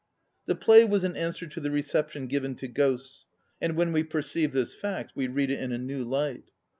The play was an answer to the reception given to " Ghosts," and when we perceive this fact we read it in a new light.